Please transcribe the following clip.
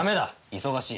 忙しい。